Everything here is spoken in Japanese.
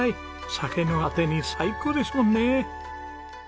酒のアテに最高ですもんね。